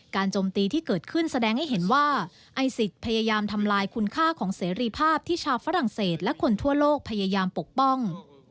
โจมตีที่เกิดขึ้นแสดงให้เห็นว่าไอซิสพยายามทำลายคุณค่าของเสรีภาพที่ชาวฝรั่งเศสและคนทั่วโลกพยายามปกป้อง